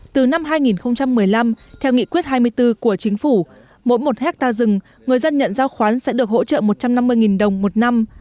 từ năm hai nghìn một mươi năm theo nghị quyết hai mươi bốn của chính phủ mỗi một hectare rừng người dân nhận giao khoán sẽ được hỗ trợ một trăm năm mươi đồng một năm